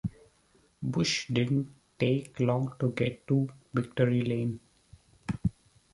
Busch didn't take long to get to victory lane.